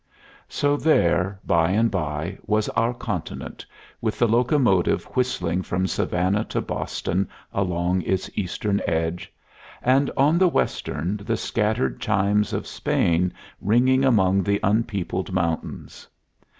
So there, by and by, was our continent, with the locomotive whistling from Savannah to Boston along its eastern edge, and on the western the scattered chimes of Spain ringing among the unpeopled mountains.